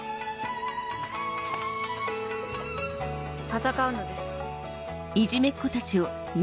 戦うのです。